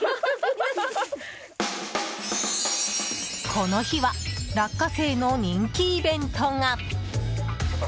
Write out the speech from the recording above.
この日は落花生の人気イベントが。